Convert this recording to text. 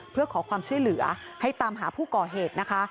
เพื่อขอความช่วยเหลือให้ตามหาผู้ก่อเหตุนะคะ